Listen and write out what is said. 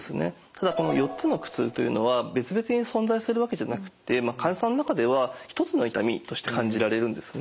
ただこの４つの苦痛というのは別々に存在するわけじゃなくて患者さんの中では一つの痛みとして感じられるんですね。